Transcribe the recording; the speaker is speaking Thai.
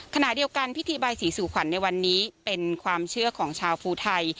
ขณะเดียวกันพิธีใบสีสู่ขวัญในวันนี้เป็นความเชื่อของชาวภูไทย